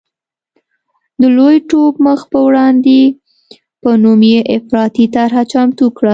د لوی ټوپ مخ په وړاندې په نوم یې افراطي طرحه چمتو کړه.